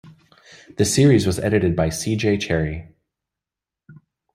The series was edited by C. J. Cherryh.